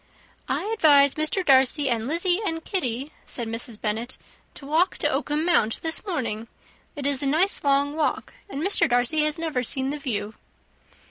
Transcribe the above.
"I advise Mr. Darcy, and Lizzy, and Kitty," said Mrs. Bennet, "to walk to Oakham Mount this morning. It is a nice long walk, and Mr. Darcy has never seen the view."